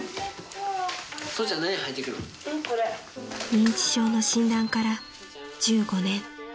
［認知症の診断から１５年］